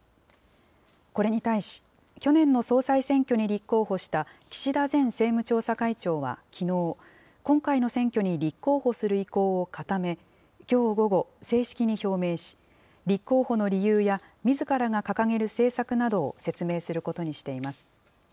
これに対し、去年の総裁選挙に立候補した、岸田前政務調査会長はきのう、今回の選挙に立候補する意向を固め、きょう午後、正式に表明し、立候補の理由や、みずからが掲げる政策などを説明することにしています。